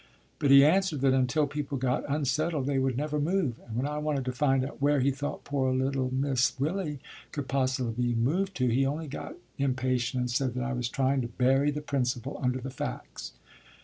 "But he answered that until people got unsettled they would never move, and when I wanted to find out where he thought poor little Miss Willy could possibly move to, he only got impatient and said that I was trying to bury the principle under the facts.